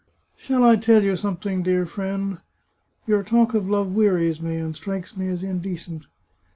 " Shall I tell you something, dear friend ? Your talk of love wearies me, and strikes me as indecent.